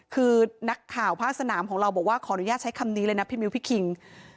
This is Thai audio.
คือนักข่าวภาคสนามของเราบอกว่าขออนุญาตใช้คำนี้เลยนะพี่มิ้วพี่คิง